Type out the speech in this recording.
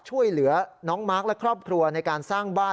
ช่วยเหลือน้องมาร์คและครอบครัวในการสร้างบ้าน